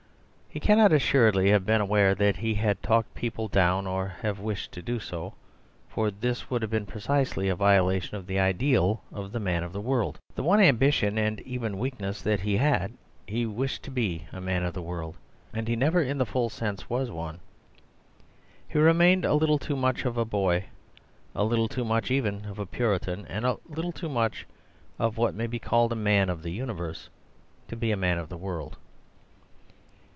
He cannot assuredly have been aware that he talked people down or have wished to do so. For this would have been precisely a violation of the ideal of the man of the world, the one ambition and even weakness that he had. He wished to be a man of the world, and he never in the full sense was one. He remained a little too much of a boy, a little too much even of a Puritan, and a little too much of what may be called a man of the universe, to be a man of the world.